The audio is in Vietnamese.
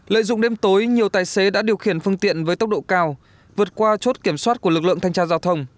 lợi dụng đêm tối nhiều tài xế đã điều khiển phương tiện với tốc độ cao vượt qua chốt kiểm soát của lực lượng thanh tra giao thông